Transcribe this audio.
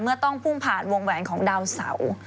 ต้องพุ่งผ่านวงแหวนของดาวเสา